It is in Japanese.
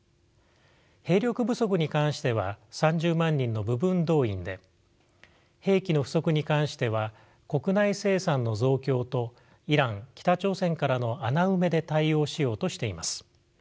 兵力不足に関しては３０万人の部分動員で兵器の不足に関しては国内生産の増強とイラン北朝鮮からの穴埋めで対応しようとしています。